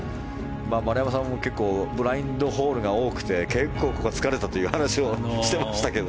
丸山さんも結構ブラインドホールが多くて結構ここは疲れたという話をしていましたけど。